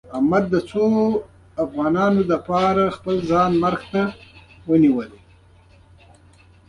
احمد د څو افغانیو لپاره خپل ځان مرګ ته ونیولو.